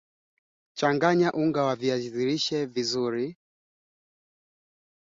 Alisema Uganda na Rwanda wana nafasi nzuri ya kutumia kwa maslahi yao fursa zilizoko Jamhuri ya Kidemokrasia ya Kongo